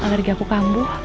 alergi aku kambuh